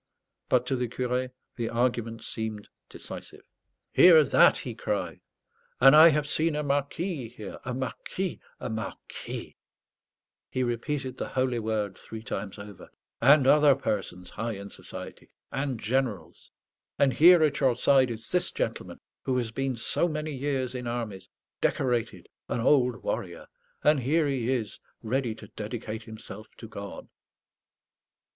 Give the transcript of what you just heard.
But to the curé the argument seemed decisive. "Hear that!" he cried. "And I have seen a marquis here, a marquis, a marquis" he repeated the holy word three times over "and other persons high in society; and generals. And here, at your side, is this gentleman, who has been so many years in armies decorated, an old warrior. And here he is, ready to dedicate himself to God."